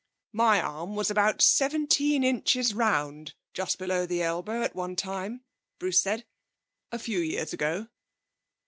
'My arm was about seventeen inches round just below the elbow at one time,' Bruce said, 'a few years ago.'